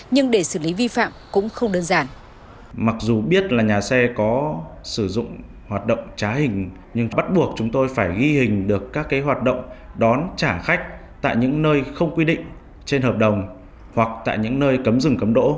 nhưng để xử lý vi phạm cũng không đơn giản